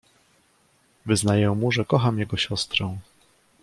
"Wyznaję mu, że kocham jego siostrę."